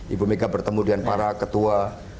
ibu mega bertemu dengan para ketua